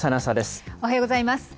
おはようございます。